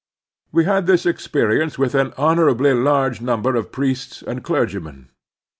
We had this experi ence with an honorably large number of priests and clergymen.